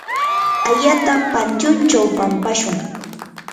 ayata pantyunchaw pampashun.